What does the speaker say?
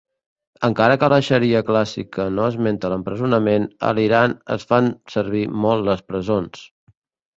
Encara que la xaria clàssica no esmenta l'empresonament, a l'Iran es fan servir molt les presons.